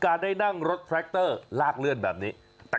ได้นั่งรถแทรคเตอร์ลากเลื่อนแบบนี้